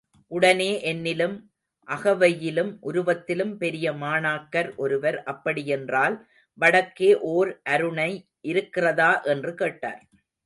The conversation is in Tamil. உடனே, என்னிலும் அகவையிலும் உருவத்திலும் பெரிய மாணாக்கர் ஒருவர், அப்படியென்றால், வடக்கே ஓர் அருணை இருக்கிறதா? என்று கேட்டார்.